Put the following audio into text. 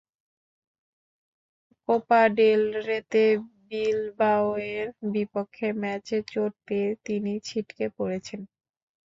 Copa del রেতে বিলবাওয়ের বিপক্ষে ম্যাচে চোট পেয়ে তিনি ছিটকে পড়েছেন।